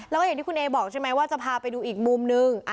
แล้วแหอย่างที่คุณเอ๊บอกใช่ไหมว่าจะพาไปยังมุมหนึ่ง